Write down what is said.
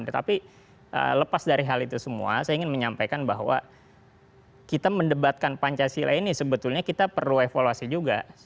tetapi lepas dari hal itu semua saya ingin menyampaikan bahwa kita mendebatkan pancasila ini sebetulnya kita perlu evaluasi juga